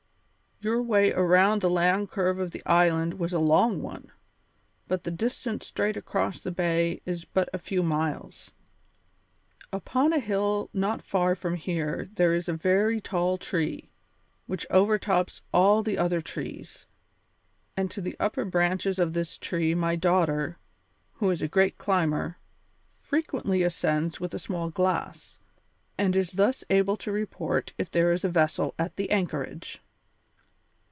Your way around the land curve of the island was a long one, but the distance straight across the bay is but a few miles. Upon a hill not far from here there is a very tall tree, which overtops all the other trees, and to the upper branches of this tree my daughter, who is a great climber, frequently ascends with a small glass, and is thus able to report if there is a vessel at the anchorage."